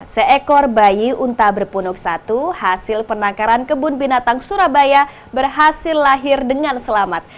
seekor bayi unta berpunuk satu hasil penangkaran kebun binatang surabaya berhasil lahir dengan selamat